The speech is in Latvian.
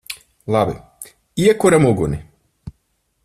Labi. Iekuram uguni!